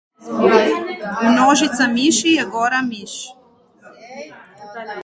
Množica miši je gora miš.